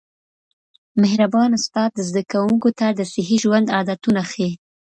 مهربان استاد زده کوونکو ته د صحي ژوند عادتونه ښيي.